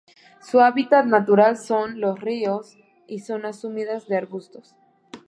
Su hábitat natural son: los ríos y zonas húmedas de arbustos.